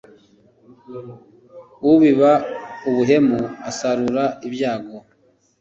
Ubiba ubuhemu asarura ibyago